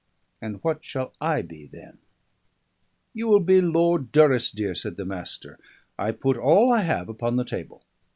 And what shall I be then?" "You will be Lord Durrisdeer," said the Master. "I put all I have upon the table."